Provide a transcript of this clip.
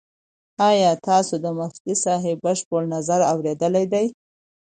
ایا تاسو د مفتي صاحب بشپړ نظر اورېدلی دی؟